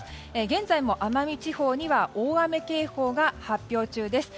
現在も奄美地方には大雨警報が発表中です。